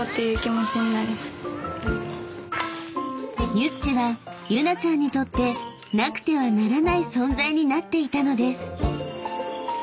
［ユッチはユナちゃんにとってなくてはならない存在になっていたのです］